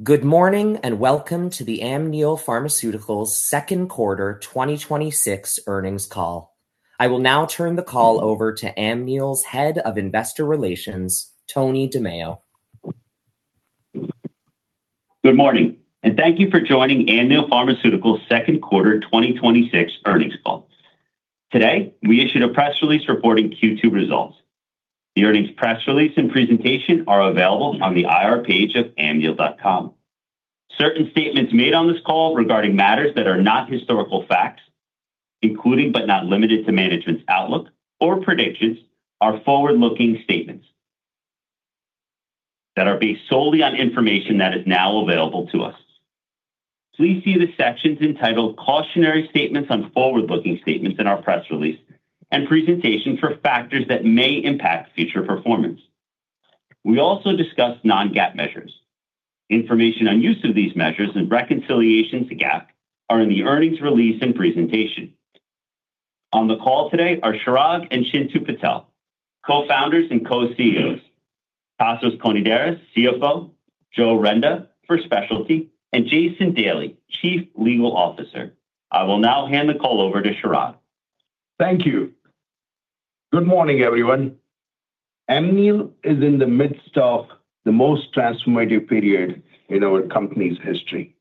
Good morning, and welcome to the Amneal Pharmaceuticals second quarter 2026 earnings call. I will now turn the call over to Amneal's Head of Investor Relations, Tony DiMeo. Good morning, and thank you for joining Amneal Pharmaceuticals second quarter 2026 earnings call. Today, we issued a press release reporting Q2 results. The earnings press release and presentation are available on the IR page of amneal.com. Certain statements made on this call regarding matters that are not historical facts, including but not limited to management's outlook or predictions, are forward-looking statements that are based solely on information that is now available to us. Please see the sections entitled "Cautionary Statements on Forward-Looking Statements" in our press release and presentation for factors that may impact future performance. We also discuss non-GAAP measures. Information on use of these measures and reconciliation to GAAP are in the earnings release and presentation. On the call today are Chirag and Chintu Patel, Co-founders and Co-CEOs, Tasos Konidaris, CFO, Joe Renda for Specialty, and Jason Daly, Chief Legal Officer. I will now hand the call over to Chirag. Thank you. Good morning, everyone. Amneal is in the midst of the most transformative period in our company's history.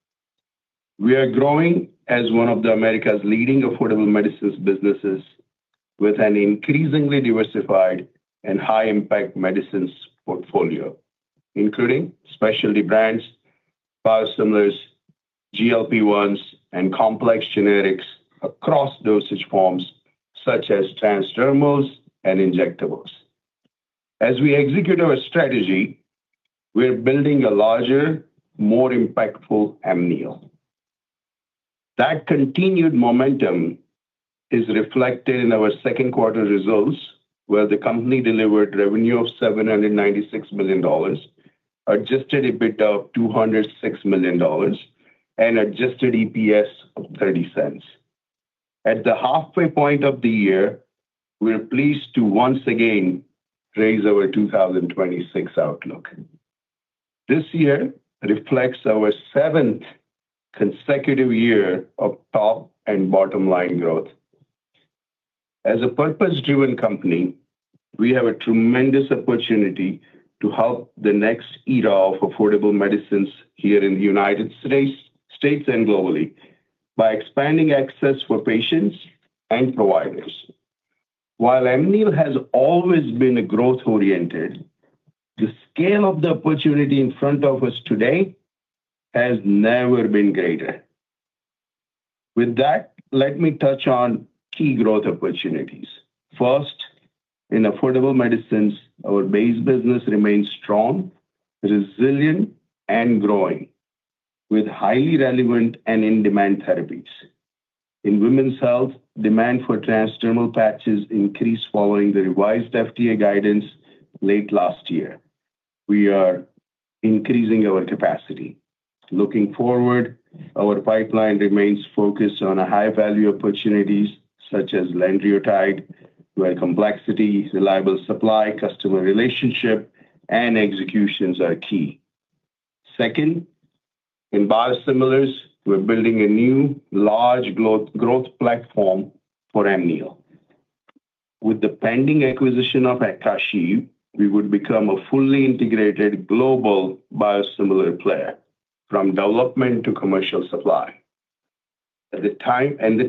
We are growing as one of the America's leading affordable medicines businesses with an increasingly diversified and high-impact medicines portfolio, including Specialty brands, biosimilars, GLP-1s, and complex generics across dosage forms such as transdermals and injectables. As we execute our strategy, we're building a larger, more impactful Amneal. That continued momentum is reflected in our second quarter results, where the company delivered revenue of $796 million, Adjusted EBITDA of $206 million, and Adjusted EPS of $0.30. At the halfway point of the year, we're pleased to once again raise our 2026 outlook. This year reflects our seventh consecutive year of top and bottom-line growth. As a purpose-driven company, we have a tremendous opportunity to help the next era of affordable medicines here in the United States and globally by expanding access for patients and providers. While Amneal has always been growth-oriented, the scale of the opportunity in front of us today has never been greater. With that, let me touch on key growth opportunities. First, in affordable medicines, our base business remains strong, resilient, and growing, with highly relevant and in-demand therapies. In women's health, demand for transdermal patches increased following the revised FDA guidance late last year. We are increasing our capacity. Looking forward, our pipeline remains focused on high-value opportunities such as lanreotide, where complexity, reliable supply, customer relationship, and executions are key. Second, in biosimilars, we're building a new large growth platform for Amneal. With the pending acquisition of Kashiv, we would become a fully integrated global biosimilar player from development to commercial supply. The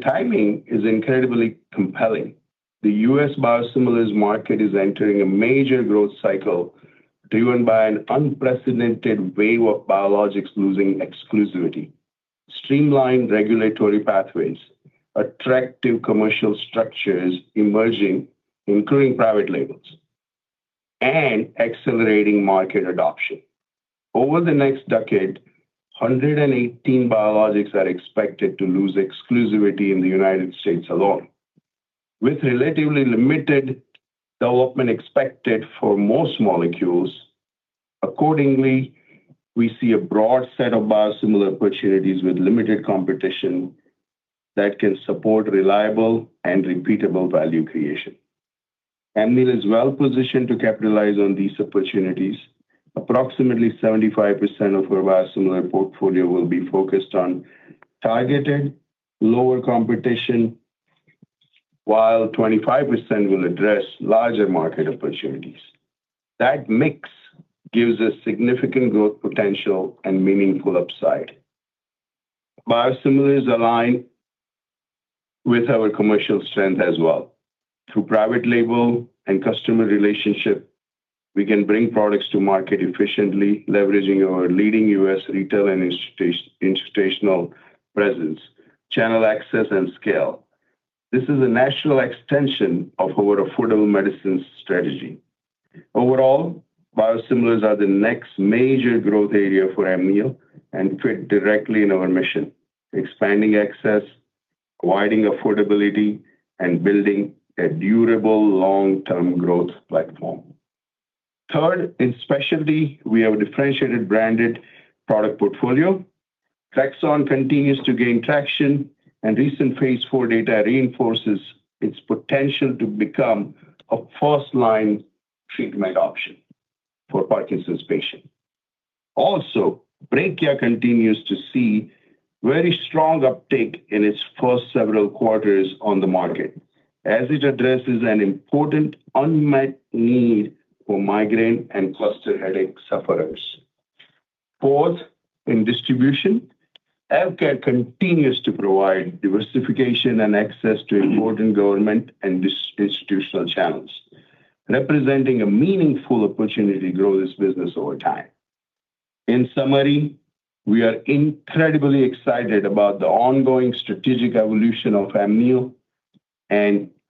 timing is incredibly compelling. The US biosimilars market is entering a major growth cycle driven by an unprecedented wave of biologics losing exclusivity, streamlined regulatory pathways, attractive commercial structures emerging, including private labels, and accelerating market adoption. Over the next decade, 118 biologics are expected to lose exclusivity in the United States alone, with relatively limited development expected for most molecules. Accordingly, we see a broad set of biosimilar opportunities with limited competition that can support reliable and repeatable value creation. Amneal is well positioned to capitalize on these opportunities. Approximately 75% of our biosimilar portfolio will be focused on targeted lower competition, while 25% will address larger market opportunities. That mix gives us significant growth potential and meaningful upside. Biosimilars align with our commercial strength as well. Through private label and customer relationship, we can bring products to market efficiently, leveraging our leading US retail and institutional presence, channel access, and scale. This is a natural extension of our affordable medicines strategy. Overall, biosimilars are the next major growth area for Amneal and fit directly in our mission: expanding access, providing affordability, and building a durable long-term growth platform. Third, in specialty, we have a differentiated branded product portfolio. CREXONT continues to gain traction and recent phase IV data reinforces its potential to become a first-line treatment option for Parkinson's patient. Also, Brekiya continues to see very strong uptake in its first several quarters on the market, as it addresses an important unmet need for migraine and cluster headache sufferers. Fourth, in distribution, AvKARE continues to provide diversification and access to important government and institutional channels, representing a meaningful opportunity to grow this business over time. In summary, we are incredibly excited about the ongoing strategic evolution of Amneal,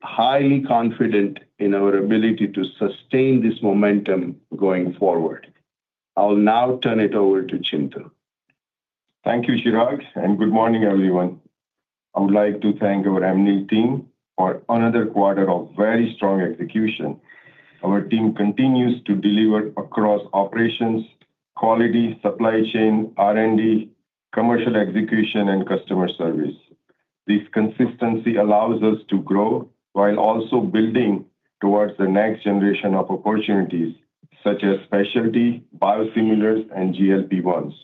highly confident in our ability to sustain this momentum going forward. I'll now turn it over to Chintu. Thank you, Chirag, and good morning, everyone. I would like to thank our Amneal team for another quarter of very strong execution. Our team continues to deliver across operations, quality, supply chain, R&D, commercial execution, and customer service. This consistency allows us to grow while also building towards the next generation of opportunities, such as specialty, biosimilars, and GLP-1s.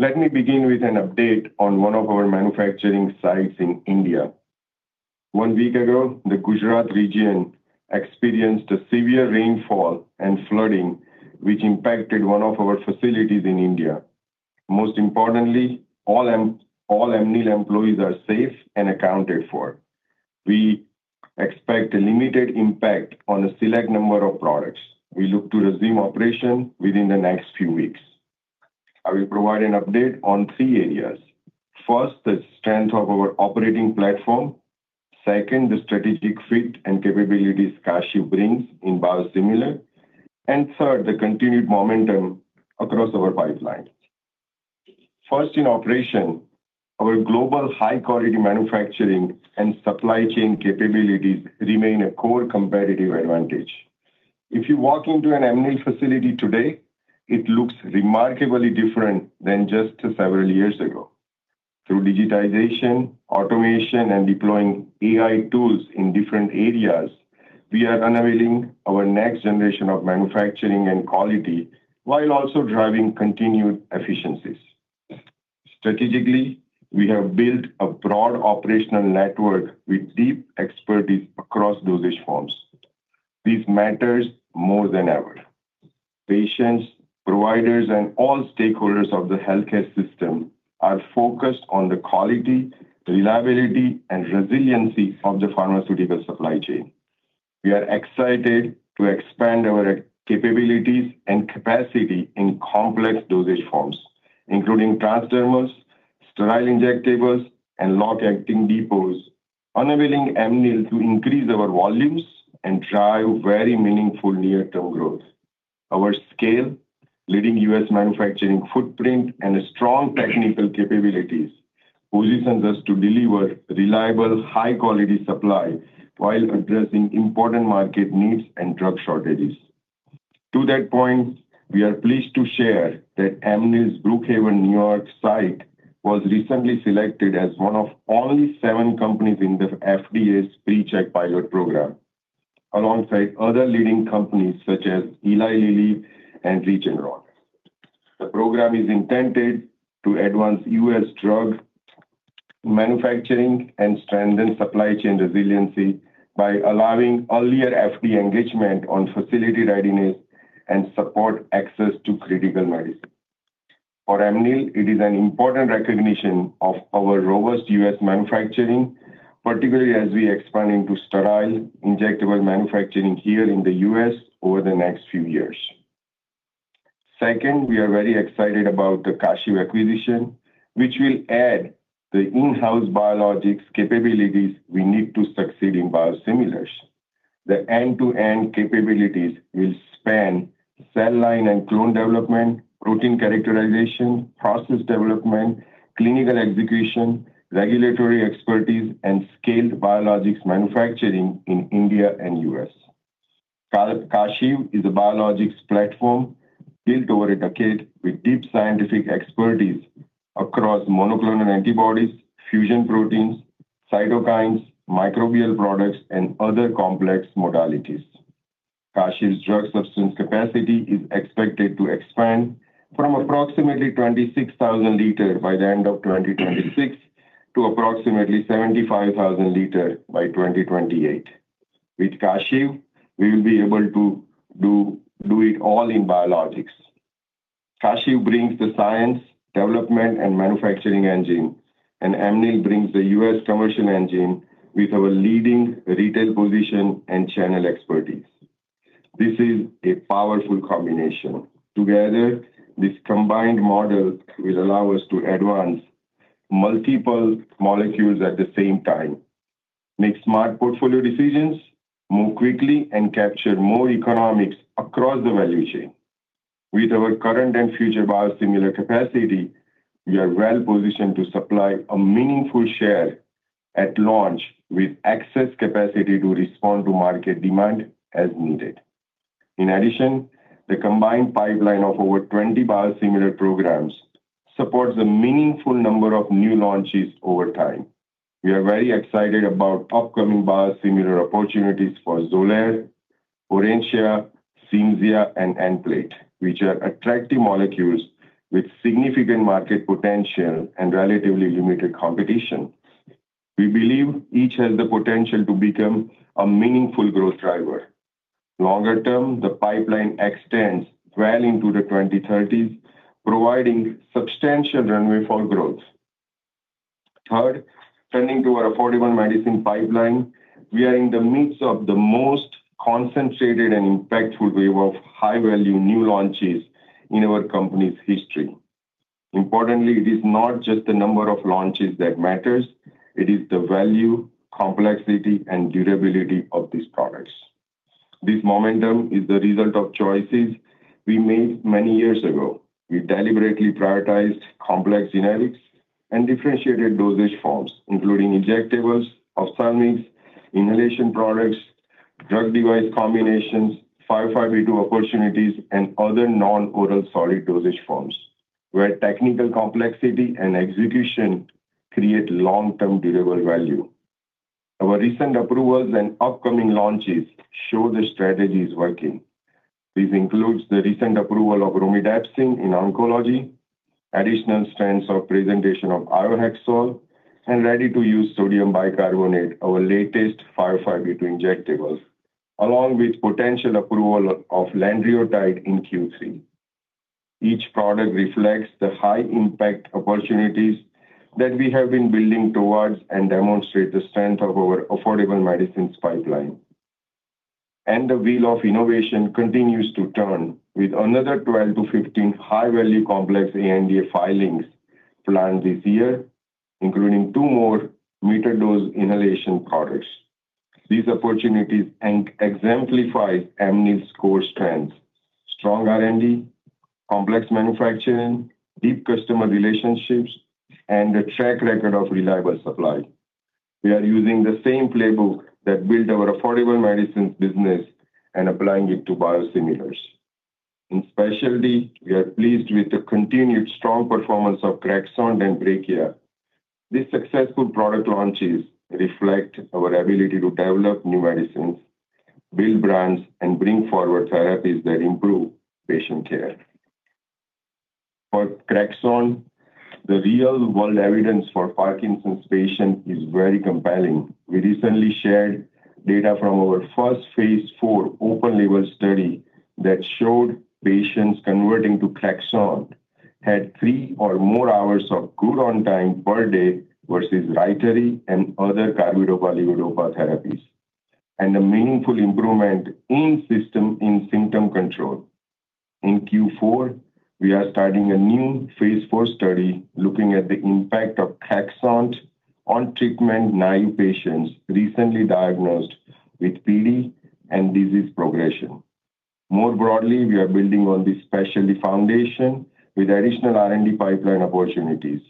Let me begin with an update on one of our manufacturing sites in India. One week ago, the Gujarat region experienced a severe rainfall and flooding, which impacted one of our facilities in India. Most importantly, all Amneal employees are safe and accounted for. We expect a limited impact on a select number of products. We look to resume operation within the next few weeks. I will provide an update on three areas. First, the strength of our operating platform. Second, the strategic fit and capabilities Kashiv brings in biosimilar. Third, the continued momentum across our pipeline. First, in operation, our global high-quality manufacturing and supply chain capabilities remain a core competitive advantage. If you walk into an Amneal facility today, it looks remarkably different than just several years ago. Through digitization, automation, and deploying AI tools in different areas, we are unveiling our next generation of manufacturing and quality, while also driving continued efficiencies. Strategically, we have built a broad operational network with deep expertise across dosage forms. This matters more than ever. Patients, providers, and all stakeholders of the healthcare system are focused on the quality, reliability, and resiliency of the pharmaceutical supply chain. We are excited to expand our capabilities and capacity in complex dosage forms, including transdermals, sterile injectables, and long-acting depots, enabling Amneal to increase our volumes and drive very meaningful near-term growth. Our scale, leading US manufacturing footprint, and strong technical capabilities positions us to deliver reliable, high-quality supply while addressing important market needs and drug shortages. To that point, we are pleased to share that Amneal's Brookhaven, N.Y. site was recently selected as one of only seven companies in the FDA's PreCheck pilot program, alongside other leading companies such as Eli Lilly and Regeneron. The program is intended to advance US drug manufacturing and strengthen supply chain resiliency by allowing earlier FDA engagement on facility readiness and support access to critical medicine. For Amneal, it is an important recognition of our robust US manufacturing, particularly as we expand into sterile injectable manufacturing here in the U.S. over the next few years. Second, we are very excited about the Kashiv acquisition, which will add the in-house biologics capabilities we need to succeed in biosimilars. The end-to-end capabilities will span cell line and clone development, protein characterization, process development, clinical execution, regulatory expertise, and scaled biologics manufacturing in India and U.S. Kashiv is a biologics platform built over one decade with deep scientific expertise across monoclonal antibodies, fusion proteins, cytokines, microbial products, and other complex modalities. Kashiv's drug substance capacity is expected to expand from approximately 26,000 liters by the end of 2026 to approximately 75,000 liters by 2028. With Kashiv, we will be able to do it all in biologics. Kashiv brings the science, development, and manufacturing engine, and Amneal brings the US commercial engine with our leading retail position and channel expertise. This is a powerful combination. Together, this combined model will allow us to advance multiple molecules at the same time, make smart portfolio decisions, move quickly, and capture more economics across the value chain. With our current and future biosimilar capacity, we are well-positioned to supply a meaningful share at launch with excess capacity to respond to market demand as needed. In addition, the combined pipeline of over 20 biosimilar programs supports a meaningful number of new launches over time. We are very excited about upcoming biosimilar opportunities for Xolair, Orencia, Cimzia and Stelara, which are attractive molecules with significant market potential and relatively limited competition. We believe each has the potential to become a meaningful growth driver. Longer term, the pipeline extends well into the 2030s, providing substantial runway for growth. Third, turning to our affordable medicine pipeline. We are in the midst of the most concentrated and impactful wave of high-value new launches in our company's history. Importantly, it is not just the number of launches that matters, it is the value, complexity, and durability of these products. This momentum is the result of choices we made many years ago. We deliberately prioritized complex generics and differentiated dosage forms, including injectables, ophthalmics, inhalation products, drug device combinations, 505(b)(2) opportunities, and other non-oral solid dosage forms, where technical complexity and execution create long-term durable value. Our recent approvals and upcoming launches show the strategy is working. This includes the recent approval of romidepsin in oncology, additional strengths of presentation of Iohexol, and ready-to-use sodium bicarbonate, our latest 505(b)(2) injectables, along with potential approval of lanreotide in Q3. Each product reflects the high-impact opportunities that we have been building towards and demonstrate the strength of our affordable medicines pipeline. The wheel of innovation continues to turn with another 12-15 high-value complex ANDA filings planned this year, including two more metered dose inhalation products. These opportunities exemplify Amneal's core strengths: strong R&D, complex manufacturing, deep customer relationships, and a track record of reliable supply. We are using the same playbook that built our affordable medicines business and applying it to biosimilars. In specialty, we are pleased with the continued strong performance of CREXONT and Brekiya. These successful product launches reflect our ability to develop new medicines, build brands, and bring forward therapies that improve patient care. For CREXONT, the real-world evidence for Parkinson's patients is very compelling. We recently shared data from our first Phase IV open-label study that showed patients converting to CREXONT had three or more hours of good on time per day versus RYTARY and other carbidopa/levodopa therapies, and a meaningful improvement in symptom control. In Q4, we are starting a new Phase IV study looking at the impact of CREXONT on treatment-naïve patients recently diagnosed with PD and disease progression. More broadly, we are building on this specialty foundation with additional R&D pipeline opportunities.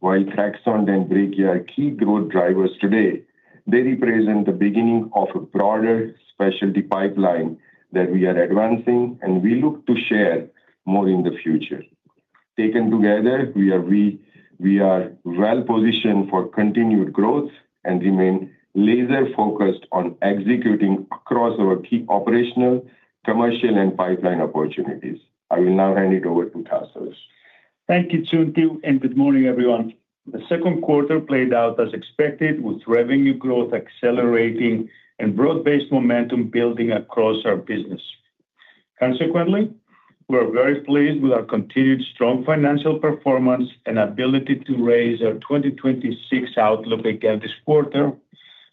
While CREXONT and Brekiya are key growth drivers today, they represent the beginning of a broader specialty pipeline that we are advancing and we look to share more in the future. Taken together, we are well-positioned for continued growth and remain laser-focused on executing across our key operational, commercial, and pipeline opportunities. I will now hand it over to Tasos. Thank you, Chintu, and good morning, everyone. The second quarter played out as expected, with revenue growth accelerating and broad-based momentum building across our business. Consequently, we are very pleased with our continued strong financial performance and ability to raise our 2026 outlook again this quarter,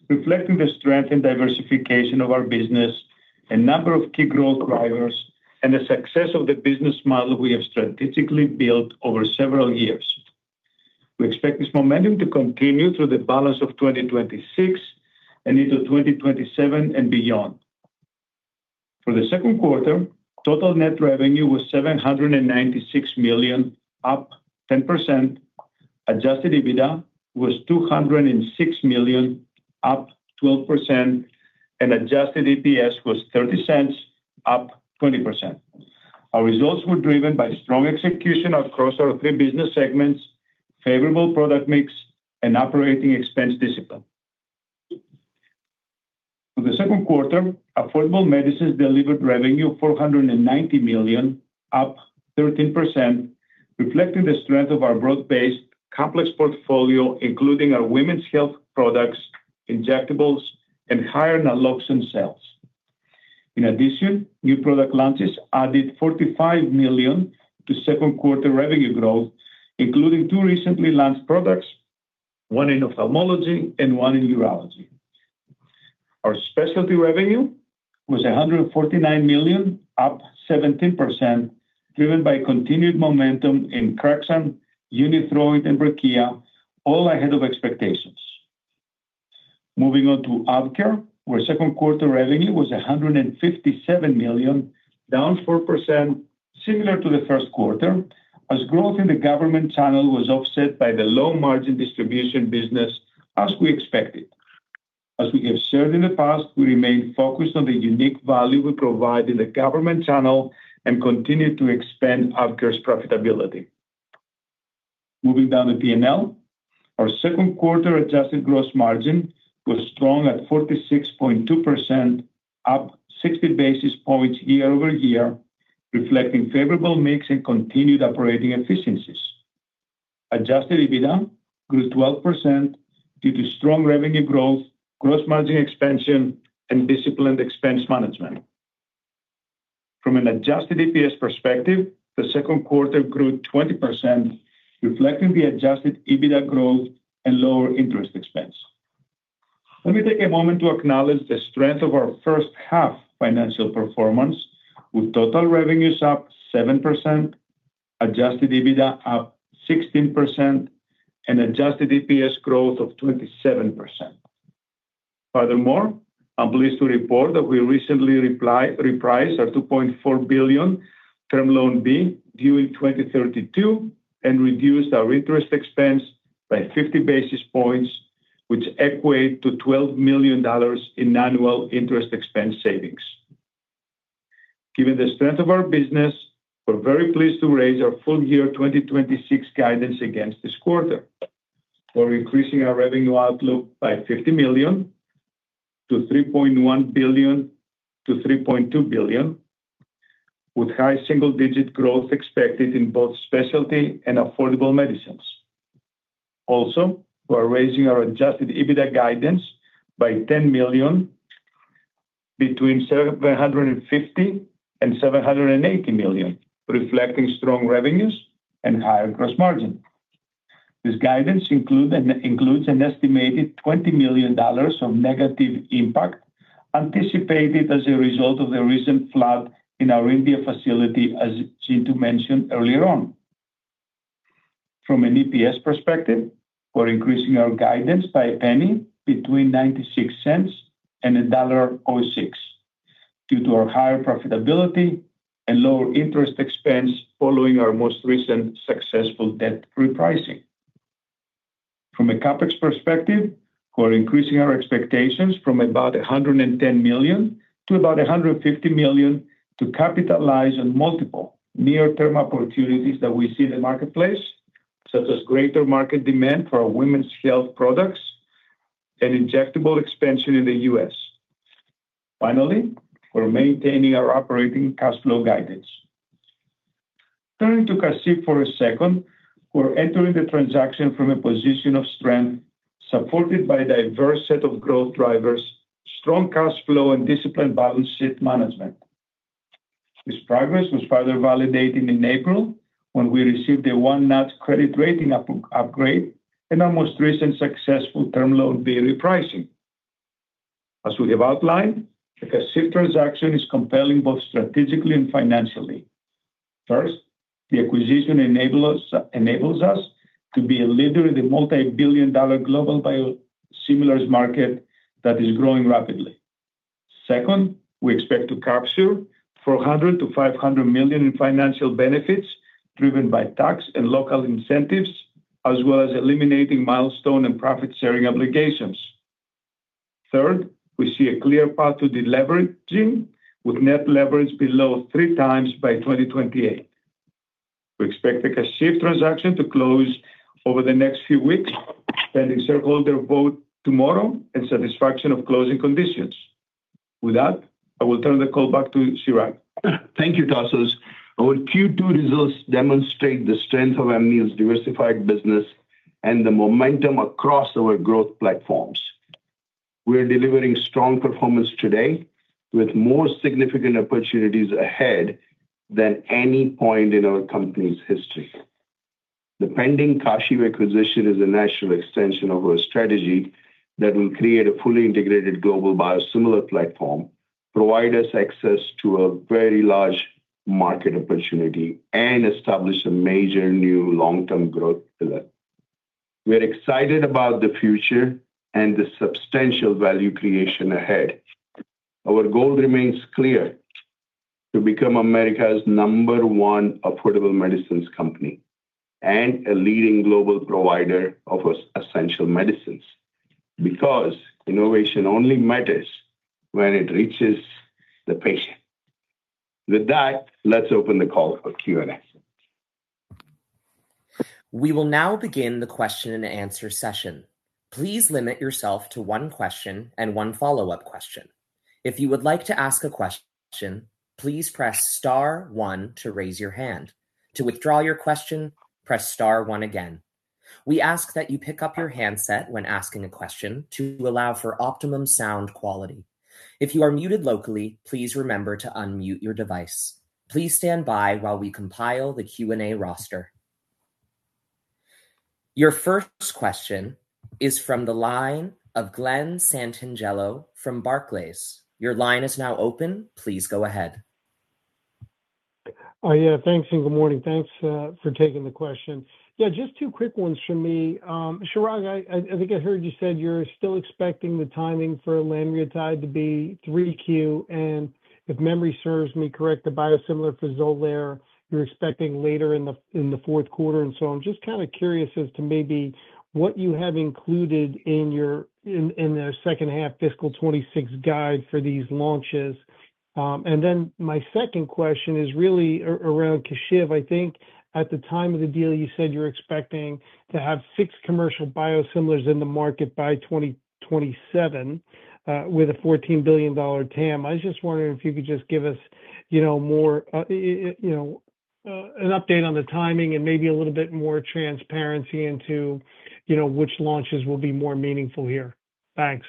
reflecting the strength and diversification of our business, a number of key growth drivers, and the success of the business model we have strategically built over several years. We expect this momentum to continue through the balance of 2026 and into 2027 and beyond. For the second quarter, total net revenue was $796 million, up 10%. Adjusted EBITDA was $206 million, up 12%, and Adjusted EPS was $0.30, up 20%. Our results were driven by strong execution across our three business segments, favorable product mix, and operating expense discipline. For the second quarter, affordable medicines delivered revenue of $490 million, up 13%, reflecting the strength of our broad-based complex portfolio, including our women's health products, injectables, and higher naloxone sales. In addition, new product launches added $45 million to second quarter revenue growth, including two recently launched products, one in ophthalmology and one in urology. Our specialty revenue was $149 million, up 17%, driven by continued momentum in CREXONT, Unithroid, and Brekiya, all ahead of expectations. Moving on to AvKARE, where second quarter revenue was $157 million, down 4%, similar to the first quarter, as growth in the government channel was offset by the low margin distribution business as we expected. As we have shared in the past, we remain focused on the unique value we provide in the government channel and continue to expand Amneal's profitability. Moving down the P&L, our second quarter adjusted gross margin was strong at 46.2%, up 60 basis points year-over-year, reflecting favorable mix and continued operating efficiencies. Adjusted EBITDA grew 12% due to strong revenue growth, gross margin expansion, and disciplined expense management. From an Adjusted EPS perspective, the second quarter grew 20%, reflecting the Adjusted EBITDA growth and lower interest expense. Let me take a moment to acknowledge the strength of our first half financial performance, with total revenues up 7%, Adjusted EBITDA up 16%, and Adjusted EPS growth of 27%. Furthermore, I'm pleased to report that we recently repriced our $2.4 billion Term Loan B, due in 2032, and reduced our interest expense by 50 basis points, which equate to $12 million in annual interest expense savings. Given the strength of our business, we're very pleased to raise our full year 2026 guidance against this quarter. We're increasing our revenue outlook by $50 million-$3.1 billion-$3.2 billion, with high single-digit growth expected in both specialty and affordable medicines. We're raising our Adjusted EBITDA guidance by $10 million, between $750 million and $780 million, reflecting strong revenues and higher gross margin. This guidance includes an estimated $20 million of negative impact anticipated as a result of the recent flood in our India facility, as Chintu mentioned earlier on. From an EPS perspective, we're increasing our guidance by a penny, between $0.96 and $1.06, due to our higher profitability and lower interest expense following our most recent successful debt repricing. From a CapEx perspective, we're increasing our expectations from about $110 million-$150 million to capitalize on multiple near-term opportunities that we see in the marketplace, such as greater market demand for our women's health products and injectable expansion in the U.S. We are maintaining our operating cash flow guidance. Turning to Kashiv for a second, we are entering the transaction from a position of strength, supported by a diverse set of growth drivers, strong cash flow, and disciplined balance sheet management. This progress was further validated in April, when we received a one-notch credit rating upgrade in our most recent successful Term Loan B repricing. As we have outlined, the Kashiv transaction is compelling both strategically and financially. First, the acquisition enables us to be a leader in the multi-billion dollar global biosimilars market that is growing rapidly. Second, we expect to capture $400 million-$500 million in financial benefits driven by tax and local incentives, as well as eliminating milestone and profit-sharing obligations. Third, we see a clear path to deleveraging, with net leverage below 3x by 2028. We expect the Kashiv transaction to close over the next few weeks, pending shareholder vote tomorrow and satisfaction of closing conditions. With that, I will turn the call back to Chirag. Thank you, Tasos. Our Q2 results demonstrate the strength of Amneal's diversified business and the momentum across our growth platforms. We are delivering strong performance today with more significant opportunities ahead than any point in our company's history. The pending Kashiv acquisition is a natural extension of our strategy that will create a fully integrated global biosimilar platform, provide us access to a very large market opportunity, and establish a major new long-term growth pillar. We are excited about the future and the substantial value creation ahead. Our goal remains clear: to become America's number one affordable medicines company and a leading global provider of essential medicines, because innovation only matters when it reaches the patient. With that, let's open the call for Q&A. We will now begin the question-and-answer session. Please limit yourself to one question and one follow-up question. If you would like to ask a question, please press star one to raise your hand. To withdraw your question, press star one again. We ask that you pick up your handset when asking a question to allow for optimum sound quality. If you are muted locally, please remember to unmute your device. Please stand by while we compile the Q&A roster. Your first question is from the line of Glen Santangelo from Barclays. Your line is now open. Please go ahead. Thanks and good morning. Thanks for taking the question. Just two quick ones from me. Chirag, I think I heard you said you're still expecting the timing for lanreotide to be 3Q, and if memory serves me correct, the biosimilar for Xolair, you're expecting later in the fourth quarter. I'm just kind of curious as to maybe what you have included in the second half fiscal 2026 guide for these launches. My second question is really around Kashiv. I think at the time of the deal, you said you're expecting to have six commercial biosimilars in the market by 2027, with a $14 billion TAM. I was just wondering if you could just give us an update on the timing and maybe a little bit more transparency into which launches will be more meaningful here. Thanks.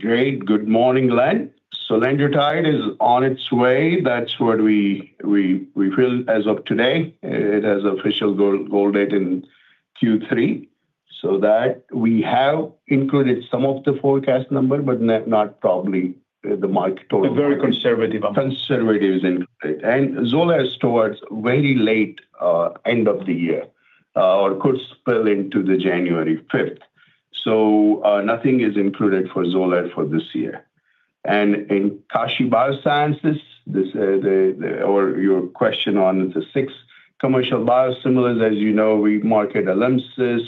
Good morning, Glen Santangelo is on its way. That's what we feel as of today. It has official go date in Q3. We have included some of the forecast number, but not probably the market total. Very conservative. Conservative is included. Xolair is towards very late end of the year, or could spill into the January 5th. Nothing is included for Xolair for this year. In Kashiv Biosciences, or your question on the six commercial biosimilars, as you know, we market ALYMSYS,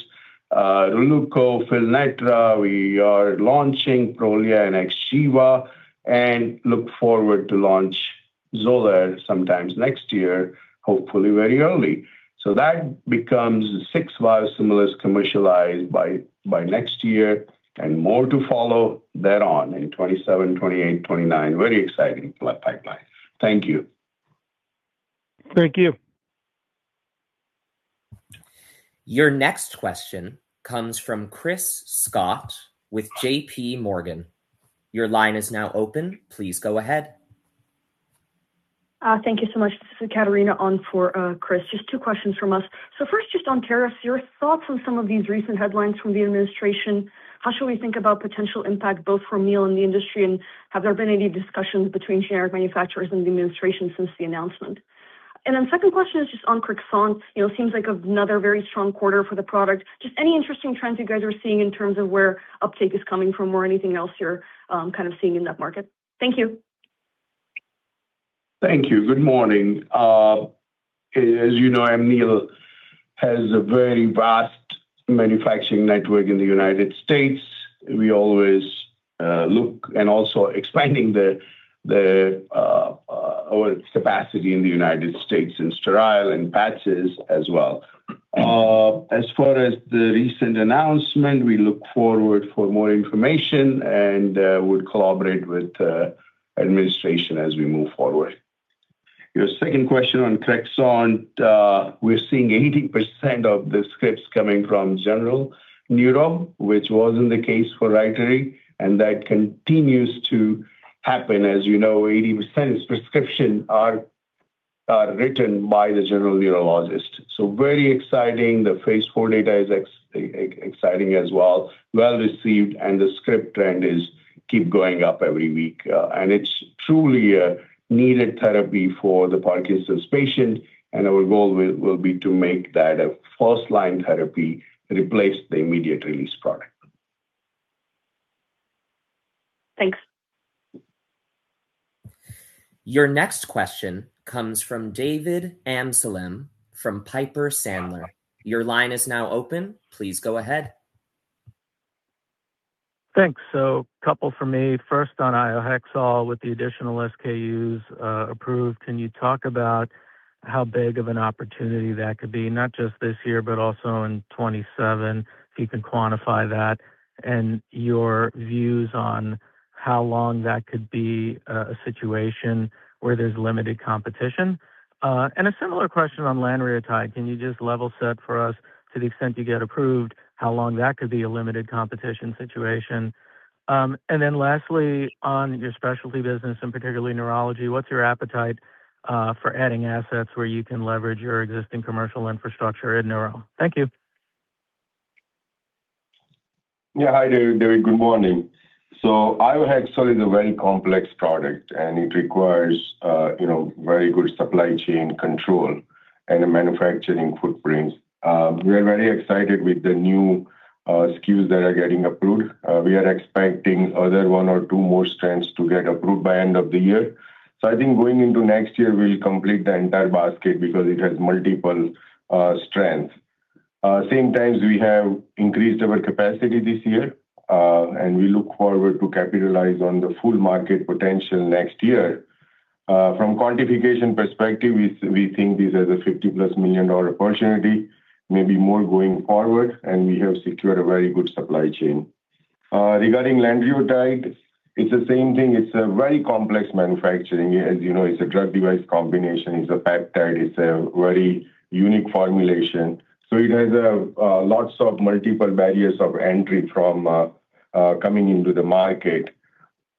Releuko, Fylnetra. We are launching Prolia and Xgeva and look forward to launch Xolair sometimes next year, hopefully very early. That becomes six biosimilars commercialized by next year and more to follow there on in 2027, 2028, 2029. Very exciting pipeline. Thank you. Thank you. Your next question comes from Chris Schott with JPMorgan. Your line is now open. Please go ahead. Thank you so much. This is Ekaterina on for Chris. Just two questions from us. First, just on tariffs, your thoughts on some of these recent headlines from the administration. How should we think about potential impact both for Amneal and the industry, and have there been any discussions between generic manufacturers and the administration since the announcement? Second question is just on CREXONT. It seems like another very strong quarter for the product. Just any interesting trends you guys are seeing in terms of where uptake is coming from or anything else you're kind of seeing in that market? Thank you. Thank you. Good morning. As you know, Amneal has a very vast manufacturing network in the United States. We always look and also expanding our capacity in the United States in sterile and patches as well. As far as the recent announcement, we look forward for more information and would collaborate with administration as we move forward. Your second question on CREXONT, we're seeing 80% of the scripts coming from general neuro, which wasn't the case for RYTARY, and that continues to happen. As you know, 80% of prescription are written by the general neurologist, so very exciting. The phase IV data is exciting as well, well-received, and the script trend is keep going up every week. It's truly a needed therapy for the Parkinson's patient, and our goal will be to make that a first-line therapy to replace the immediate-release product. Thanks. Your next question comes from David Amsellem from Piper Sandler. Your line is now open. Please go ahead. Thanks. Couple from me, first on Iohexol with the additional SKUs approved, can you talk about how big of an opportunity that could be, not just this year, but also in 2027, if you can quantify that and your views on how long that could be a situation where there's limited competition? A similar question on lanreotide. Can you just level set for us to the extent you get approved, how long that could be a limited competition situation? Lastly, on your specialty business and particularly neurology, what's your appetite for adding assets where you can leverage your existing commercial infrastructure in neuro? Thank you. Yeah. Hi, David. Good morning. Iohexol is a very complex product, and it requires very good supply chain control and a manufacturing footprint. We are very excited with the new SKUs that are getting approved. We are expecting other one or two more strengths to get approved by end of the year. I think going into next year, we'll complete the entire basket because it has multiple strengths. Same times, we have increased our capacity this year, and we look forward to capitalize on the full market potential next year. From quantification perspective, we think this is a $50+ million opportunity, maybe more going forward, and we have secured a very good supply chain. Regarding lanreotide, it's the same thing. It's a very complex manufacturing. As you know, it's a drug device combination. It's a peptide. It's a very unique formulation. It has lots of multiple barriers of entry from coming into the market.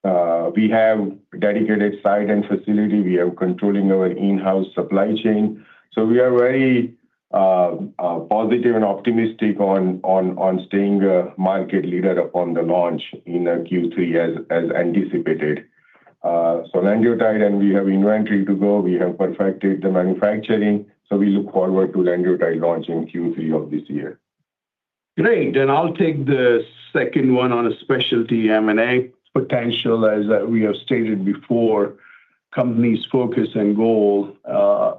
We have dedicated site and facility. We are controlling our in-house supply chain. We are very positive and optimistic on staying a market leader upon the launch in Q3 as anticipated, lenalidomide. We have inventory to go. We have perfected the manufacturing. We look forward to lenalidomide launch in Q3 of this year. Great. I'll take the second one on a specialty M&A potential, as we have stated before, company's focus and goal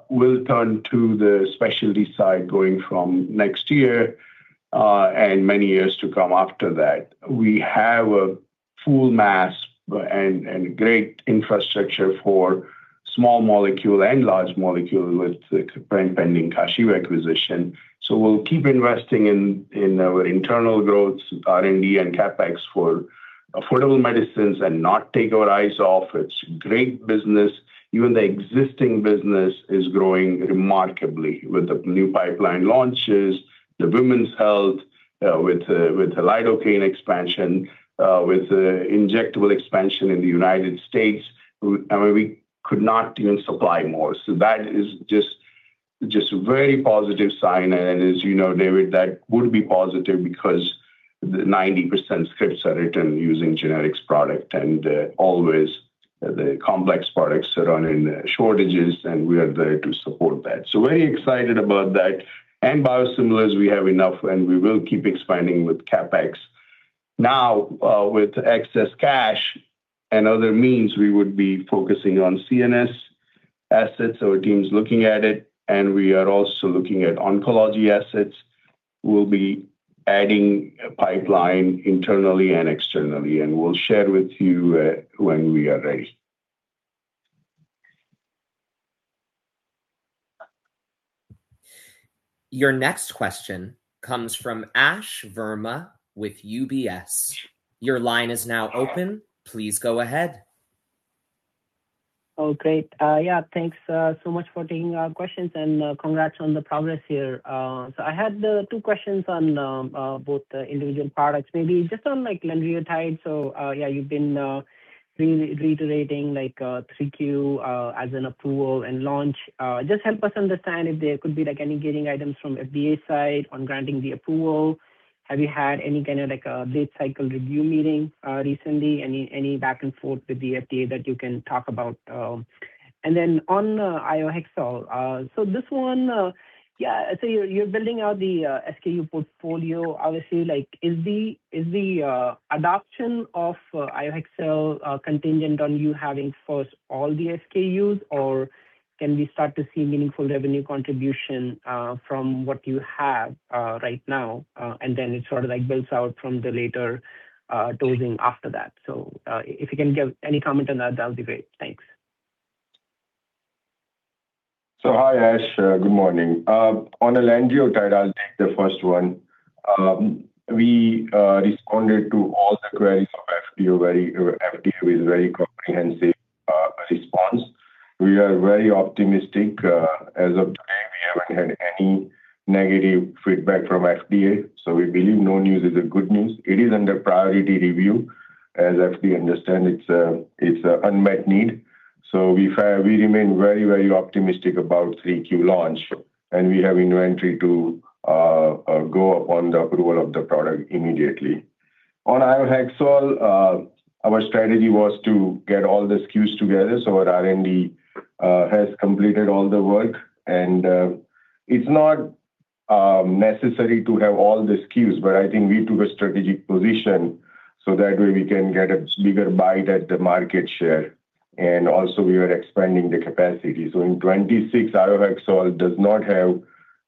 will turn to the specialty side going from next year, and many years to come after that. We have a full mass and great infrastructure for small molecule and large molecule with the pending Kashiv acquisition. We'll keep investing in our internal growth, R&D, and CapEx for affordable medicines and not take our eyes off. It's great business. Even the existing business is growing remarkably with the new pipeline launches, the women's health, with the lidocaine expansion, with the injectable expansion in the U.S. I mean, we could not even supply more. That is just a very positive sign. As you know, David, that would be positive because 90% scripts are written using generics product and always the complex products are in shortages, and we are there to support that. Very excited about that. Biosimilars, we have enough and we will keep expanding with CapEx. With excess cash and other means, we would be focusing on CNS assets. Our team's looking at it, and we are also looking at oncology assets. We'll be adding pipeline internally and externally, and we'll share with you when we are ready. Your next question comes from Ash Verma with UBS. Your line is now open. Please go ahead. Great. Thanks so much for taking our questions, and congrats on the progress here. I had two questions on both individual products. Maybe just on lenalidomide. You've been reiterating 3Q as an approval and launch. Just help us understand if there could be any getting items from FDA side on granting the approval. Have you had any kind of late cycle review meeting recently? Any back and forth with the FDA that you can talk about? On Iohexol. You're building out the SKU portfolio, obviously. Is the adoption of Iohexol contingent on you having first all the SKUs, or can we start to see meaningful revenue contribution from what you have right now? And then it sort of builds out from the later dosing after that. If you can give any comment on that'll be great. Thanks. Hi, Ash. Good morning. On the lenalidomide, I'll take the first one. We responded to all the queries of FDA with very comprehensive response. We are very optimistic. As of today, we haven't had any negative feedback from FDA, we believe no news is a good news. It is under priority review, as FDA understand it's an unmet need. We remain very, very optimistic about 3Q launch, and we have inventory to go upon the approval of the product immediately. On Iohexol, our strategy was to get all the SKUs together, our R&D has completed all the work. It's not necessary to have all the SKUs, but I think we took a strategic position so that way we can get a bigger bite at the market share. Also we are expanding the capacity. In 2026, Iohexol does not have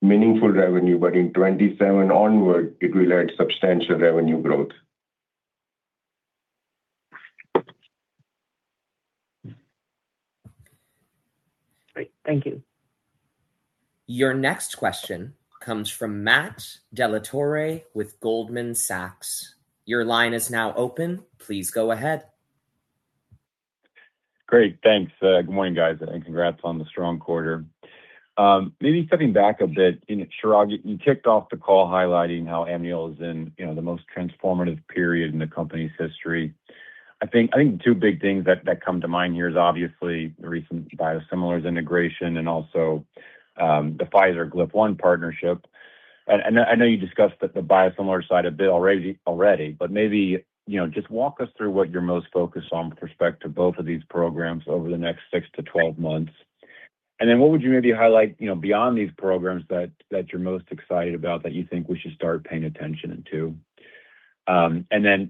meaningful revenue, but in 2027 onward, it will add substantial revenue growth. Great. Thank you. Your next question comes from Matt Dellatorre with Goldman Sachs. Your line is now open. Please go ahead. Great. Thanks. Good morning, guys, and congrats on the strong quarter. Maybe stepping back a bit, Chirag, you kicked off the call highlighting how Amneal is in the most transformative period in the company's history. I think two big things that come to mind here is obviously the recent biosimilars integration and also the Pfizer GLP-1 partnership. I know you discussed the biosimilar side a bit already, but maybe just walk us through what you're most focused on with respect to both of these programs over the next 6-12 months. What would you maybe highlight, beyond these programs that you're most excited about that you think we should start paying attention to?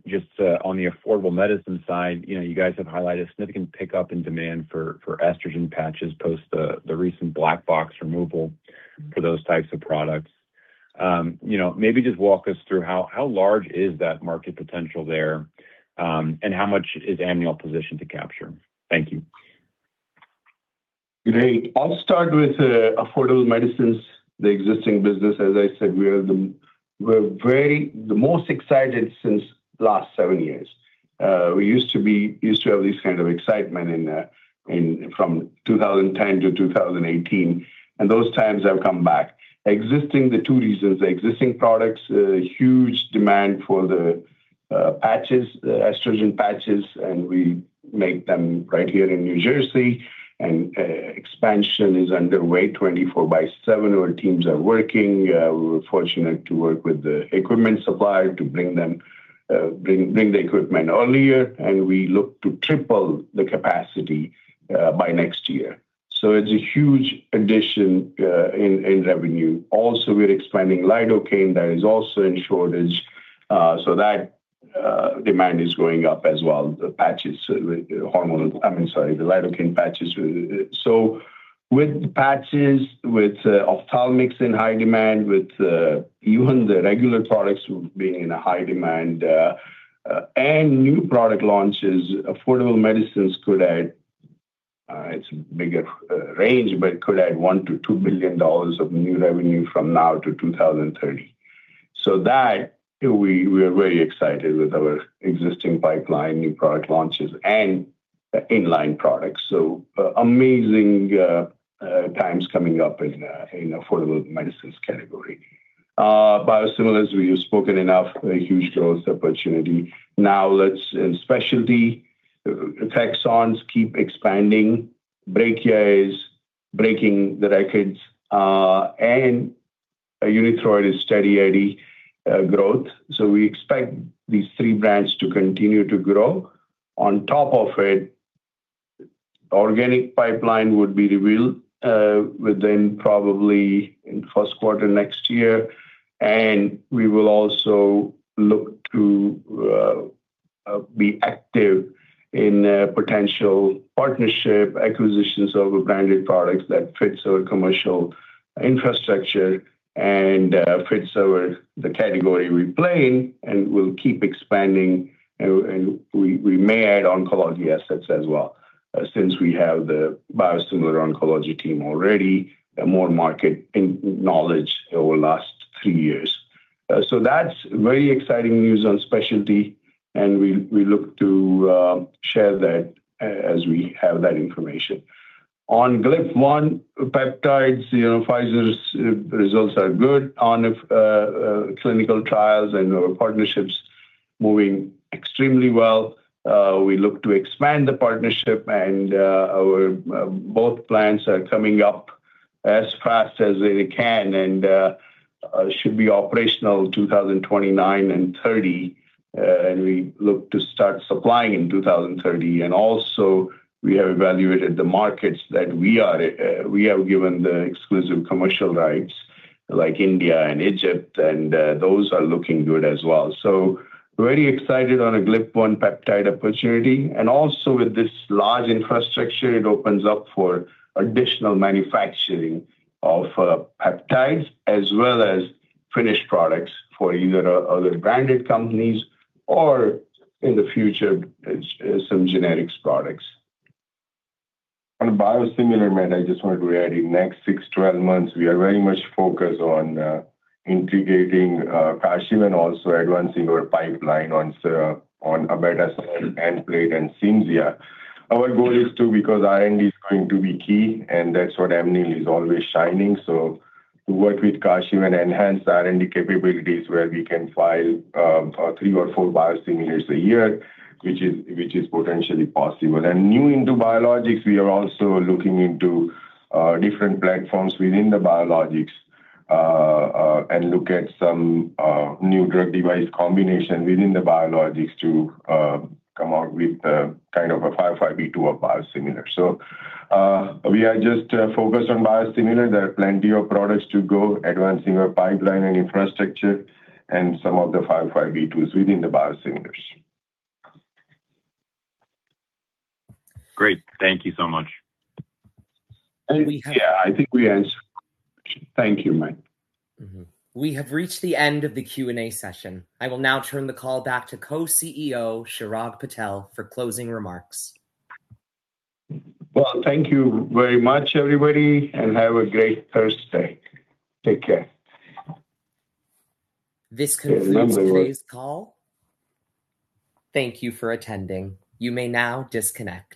Just on the affordable medicine side, you guys have highlighted significant pickup in demand for estrogen patches post the recent black box removal for those types of products. Maybe just walk us through how large is that market potential there, and how much is Amneal positioned to capture? Thank you. Great. I'll start with affordable medicines, the existing business. As I said, we're the most excited since last seven years. We used to have this kind of excitement from 2010- 2018, and those times have come back. Existing, the two reasons, the existing products, huge demand for the estrogen patches, and we make them right here in New Jersey, and expansion is underway 24 by 7. Our teams are working. We were fortunate to work with the equipment supplier to bring the equipment earlier, and we look to triple the capacity by next year. It's a huge addition in revenue. Also, we're expanding lidocaine, that is also in shortage. That demand is going up as well, the lidocaine patches. With the patches, with ophthalmics in high demand, with even the regular products being in a high demand, and new product launches, affordable medicines could add, it's a bigger range, but could add $1 billion-$2 billion of new revenue from now to 2030. That, we are very excited with our existing pipeline, new product launches, and the in-line products. Amazing times coming up in affordable medicines category. Biosimilars, we have spoken enough, a huge growth opportunity. Now let's, in specialty, CREXONT keep expanding. Brekiya is breaking the records and Unithroid is steady growth. We expect these three brands to continue to grow. On top of it, organic pipeline would be revealed within probably in first quarter next year. We will also look to be active in potential partnership acquisitions of branded products that fits our commercial infrastructure and fits our, the category we play, and we'll keep expanding, and we may add oncology assets as well, since we have the biosimilar oncology team already, more market knowledge over last three years. That's very exciting news on specialty, and we look to share that as we have that information. On GLP-1 peptides, Pfizer's results are good on clinical trials and our partnerships moving extremely well. We look to expand the partnership and our both plants are coming up as fast as they can and should be operational 2029 and 2030, and we look to start supplying in 2030. Also we have evaluated the markets that we are given the exclusive commercial rights, like India and Egypt, and those are looking good as well. Very excited on a GLP-1 peptide opportunity. Also with this large infrastructure, it opens up for additional manufacturing of peptides as well as finished products for either other branded companies or in the future, some genetics products. On biosimilar, Matt, I just want to add, in next 6, 12 months, we are very much focused on integrating Kashiv and also advancing our pipeline on abatacept, Nplate, and Cimzia. Our goal is to, because R&D is going to be key, and that's what Amneal is always shining, to work with Kashiv and enhance R&D capabilities where we can file three or four biosimilars a year, which is potentially possible. New into biologics, we are also looking into different platforms within the biologics, and look at some new drug device combination within the biologics to come out with kind of a 505(b)(2) or biosimilar. We are just focused on biosimilar. There are plenty of products to go, advancing our pipeline and infrastructure and some of the 505(b)(2)s within the biosimilars. Great. Thank you so much. I think we answered. Thank you, Mike. We have reached the end of the Q&A session. I will now turn the call back to Co-CEO Chirag Patel for closing remarks. Well, thank you very much, everybody, and have a great Thursday. Take care. This concludes today's call. Thank you for attending. You may now disconnect.